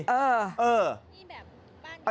เออ